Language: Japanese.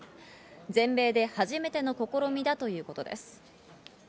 全米で初めての試みだということです。